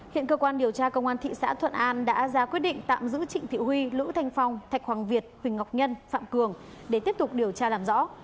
hiện cơ quan điều tra công an thị xã thuận an đã ra quyết định tạm giữ trịnh thị huy lữ thanh phong thạch hoàng việt huỳnh ngọc nhân phạm cường để tiếp tục điều tra làm rõ